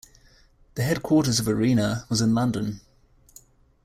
The headquarters of "Arena" was in London.